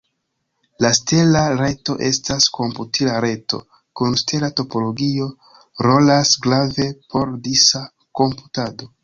La stela reto estas komputila reto kun stela topologio, rolas grave por disa komputado.